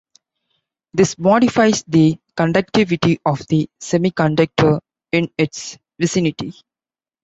This modifies the conductivity of the semiconductor in its vicinity.